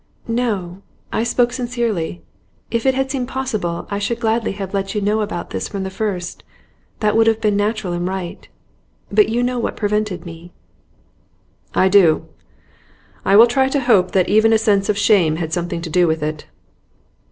'No, I spoke sincerely. If it had seemed possible I should gladly have let you know about this from the first. That would have been natural and right. But you know what prevented me.' 'I do. I will try to hope that even a sense of shame had something to do with it.